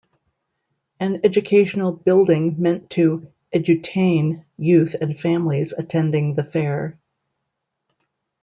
An educational building meant to "edutain" youth and families attending the fair.